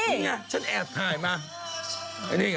นี่ไงฉันแอบถ่ายมาอันนี้เหรอ